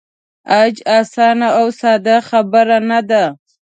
حج آسانه او ساده خبره نه ده.